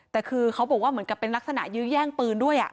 แต่คือเขาบอกว่าเหมือนกับเป็นลักษณะยื้อแย่งปืนด้วย